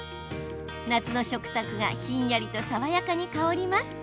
夏の食卓がひんやりと爽やかに香ります。